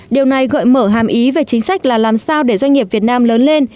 điều này gợi mở hàm ý về chính sách là làm sao để doanh nghiệp việt nam lớn lên